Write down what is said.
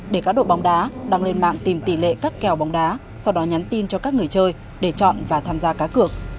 để cá độ bóng đá đăng lên mạng tìm tỷ lệ các kèo bóng đá sau đó nhắn tin cho các người chơi để chọn và tham gia cá cược